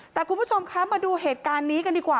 แต่คุณผู้ชมคะมาดูเหตุการณ์นี้กันดีกว่า